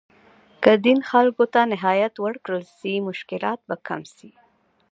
که دین خلګو ته نهایت ورکړل سي، مشکلات به کم سي.